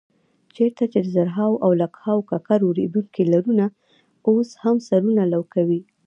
چېرته چې د زرهاو او لکهاوو ککرو ریبونکي لرونه اوس هم سرونه لو کوي.